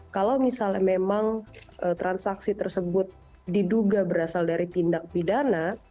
kalau misalnya memang transaksi tersebut diduga berasal dari tindak pidana